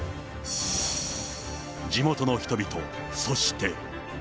地元の人々、そして。